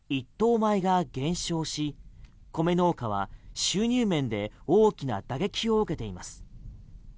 米が減少し米農家は収入面で大きな打撃を受けています。